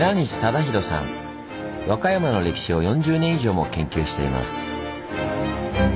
和歌山の歴史を４０年以上も研究しています。